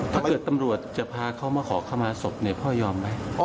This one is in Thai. ถ้าเกิดตำรวจจะพาเขามาขอเข้ามาศพเนี่ยพ่อยอมไหม